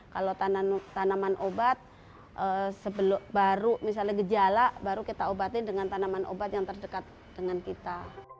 kalau tanaman obat baru misalnya gejala baru kita obatin dengan tanaman obat yang terdekat dengan kita